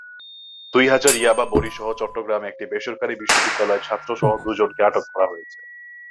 দুই হাজার ইয়াবা বড়িসহ চট্টগ্রামে একটি বেসরকারি বিশ্ববিদ্যালয়ের ছাত্রসহ দুজনকে আটক করা হয়েছে।